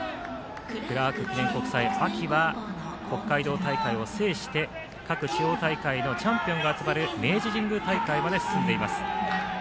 クラーク記念国際秋は北海道大会を制して各地方大会のチャンピオンが集まる明治神宮大会まで進んでいます。